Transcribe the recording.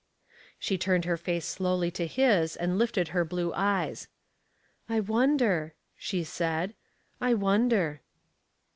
She turned her face slowly to his and lifted her blue eyes. "I wonder," she said. "I wonder."